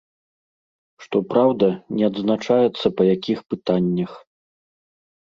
Што праўда, не адзначаецца па якіх пытаннях.